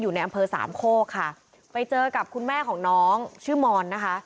อยู่ในอำเภอสามโคกค่ะไปเจอกับคุณแม่ของน้องชื่อมอนนะคะ